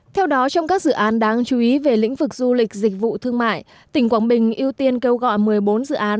theo đó trong các dự án đáng chú ý về lĩnh vực du lịch dịch vụ thương mại tỉnh quảng bình ưu tiên kêu gọi một mươi bốn dự án